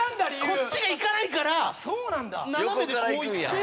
こっちにいかないから斜めでこういって。